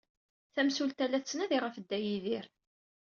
Tamsulta la tettnadi ɣef Dda Yidir.